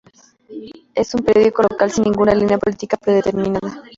Es un periódico local sin ninguna línea política predeterminada.